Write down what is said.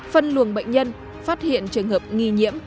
phân luồng bệnh nhân phát hiện trường hợp nghi nhiễm